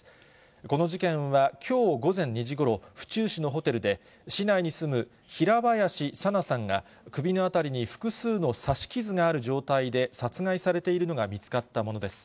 この事件は、きょう午前２時ごろ、府中市のホテルで、市内に住む平林さなさんが、首の辺りに複数の刺し傷がある状態で殺害されているのが見つかったものです。